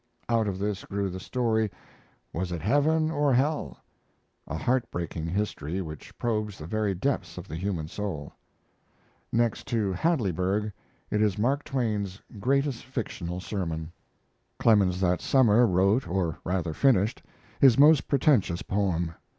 Out of this grew the story, "Was it Heaven? or Hell?" a heartbreaking history which probes the very depths of the human soul. Next to "Hadleyburg," it is Mark Twain's greatest fictional sermon. Clemens that summer wrote, or rather finished, his most pretentious poem.